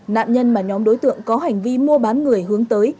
nạn nhân mà nhóm đối tượng có hành vi mua bán người hướng tới